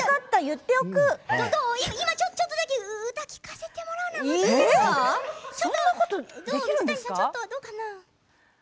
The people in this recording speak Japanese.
今ちょっとだけ歌を聴かせてもらっていいですか。